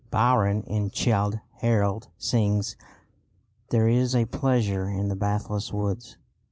Byron in Childe Harold sings: "There is a pleasure in the pathless woods."